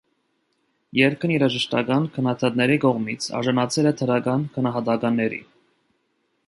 Երգն երաժշտական քննադատների կողմից արժանացել է դրական գնահատականների։